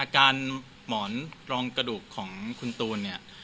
การหมอนรองกระดูกของคุณตูนเนี่ย